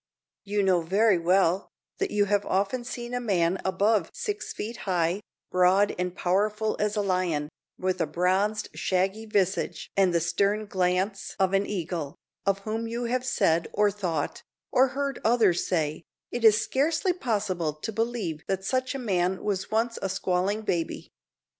You know very well that you have often seen a man above six feet high, broad and powerful as a lion, with a bronzed shaggy visage and the stern glance of an eagle, of whom you have said, or thought, or heard others say, "It is scarcely possible to believe that such a man was once a squalling baby."